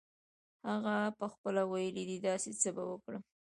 هغه پخپله ویلې دي داسې څه به وکړم.